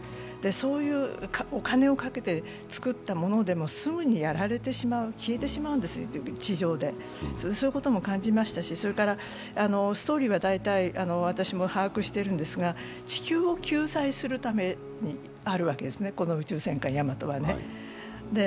そういうお金をかけて造ったものでもすぐに消えてしまうんです、地上でということも感じましたしストーリーは大体私も把握してるんですが、地球を救済するためにあるわけですね、この宇宙戦艦ヤマトはね。